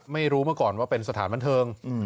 ไม่รู้มาก่อนว่าเป็นสถานบันเทิง